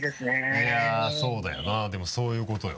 いやそうだよなでもそういうことよ。